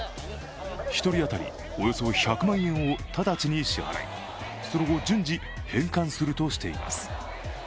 １人当たりおよそ１００万円を直ちに支払い、その後、順次、返還するとしています。